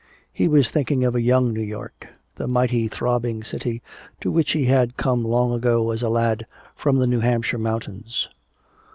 He was thinking of a young New York, the mighty throbbing city to which he had come long ago as a lad from the New Hampshire mountains.